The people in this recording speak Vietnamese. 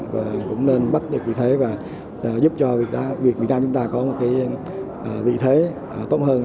và cũng nên bắt được vị thế và giúp cho việc việt nam chúng ta có một cái vị thế tốt hơn